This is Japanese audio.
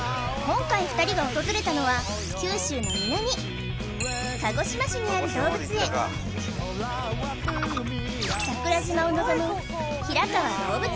今回２人が訪れたのは九州の南鹿児島市にある動物園桜島を望む